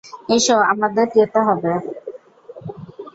এসো, আমাদের যেতে হবে।